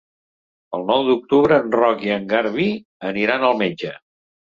El nou d'octubre en Roc i en Garbí aniran al metge.